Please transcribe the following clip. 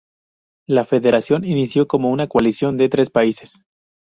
La federación inició como una coalición de tres países.